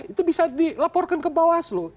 itu bisa dilaporkan ke bawah seluruh